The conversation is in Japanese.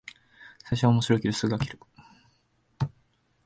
最初は面白いけどすぐ飽きる